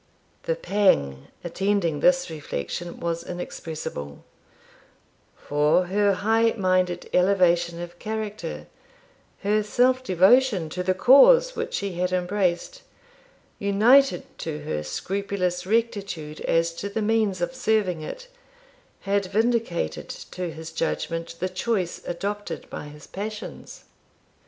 The pang attending this reflection was inexpressible; for her high minded elevation of character, her self devotion to the cause which she had embraced, united to her scrupulous rectitude as to the means of serving it, had vindicated to his judgment the choice adopted by his passions.